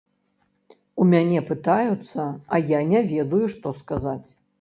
У мяне пытаюцца, а я не ведаю што сказаць.